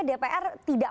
dpr tidak pekerjaan